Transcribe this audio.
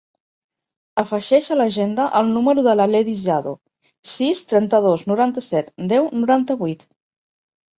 Afegeix a l'agenda el número de l'Aledis Llado: sis, trenta-dos, noranta-set, deu, noranta-vuit.